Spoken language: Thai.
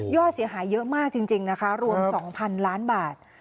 เสียหายเยอะมากจริงนะคะรวม๒๐๐๐ล้านบาท